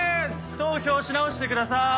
投票し直してください。